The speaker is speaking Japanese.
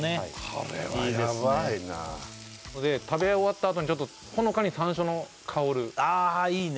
これはヤバイなあで食べ終わったあとにほのかに山椒の香るああいいね